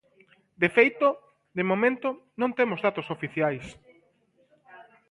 De feito, de momento non temos datos oficiais.